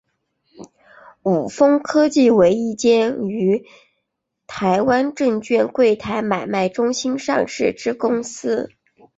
伍丰科技为一间于台湾证券柜台买卖中心上市之公司。